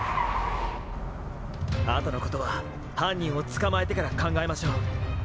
後のことは犯人を捕まえてから考えましょう。